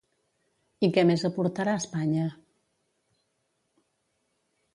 I què més aportarà Espanya?